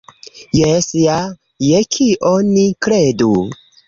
Jes ja, je kio ni kredu?